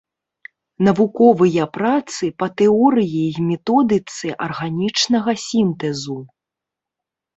Навуковыя працы па тэорыі і методыцы арганічнага сінтэзу.